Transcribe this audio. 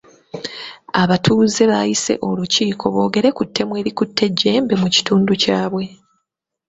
Abatuuze baayise olukiiko boogere ku ttemu erikudde ejjembe mu kitundu kyabwe.